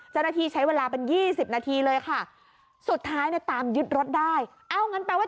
เจ้าหน้าที่ใช้เวลาเป็นยี่สิบนาทีเลยค่ะสุดท้ายเนี่ยตามยึดรถได้เอ้างั้นแปลว่า